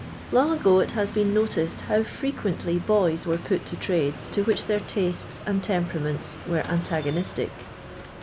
Long ago it has been noticed how frequently boys were put to trades to which their tastes and temperaments were antigonistic.